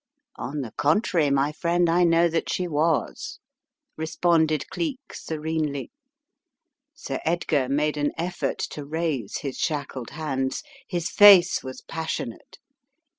"On the contrary, my friend, I know that she was," responded Cleek, serenely. Sir Edgar made an effort to raise his shackled hands. His face was passionate.